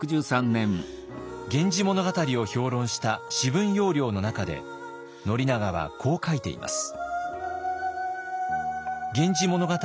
「源氏物語」を評論した「紫文要領」の中で宣長はこう書いています。